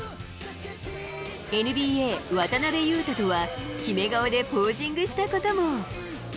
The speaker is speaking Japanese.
ＮＢＡ、渡邊雄太とはキメ顔でポージングしたことも。